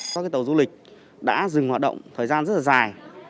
các tàu du lịch đã dừng hoạt động thời gian rất là dài